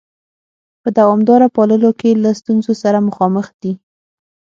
په دوامداره پاللو کې له ستونزو سره مخامخ دي؟